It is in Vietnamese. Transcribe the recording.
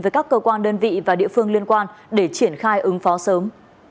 với các cơ quan đơn vị và địa phương liên quan để triển khai ứng phó sớm